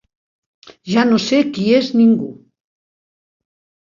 Ja no sé qui és ningú!